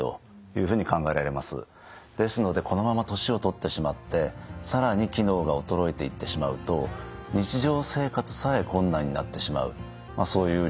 ですのでこのまま年を取ってしまって更に機能が衰えていってしまうと日常生活さえ困難になってしまうそういうリスクがあります。